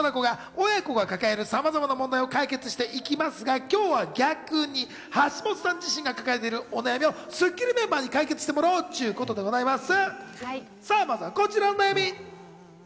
トラコが親子が抱える様々な問題を解決していきますが、今日は逆に橋本さん自身が抱えてるお悩みを『スッキリ』メンバーに解決してもらおうということだそうです。